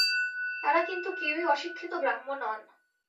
তাঁরা কিন্তু কেউই অশিক্ষিত, গ্রাম্য নন।